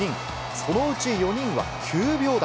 そのうち４人は９秒台。